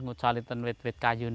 mencari tanah kayu